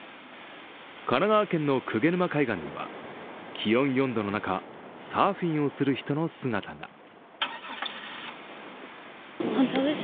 神奈川県の鵠沼海岸には気温４度の中、サーフィンをする人の姿が。